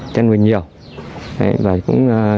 trăn nuôi nhiều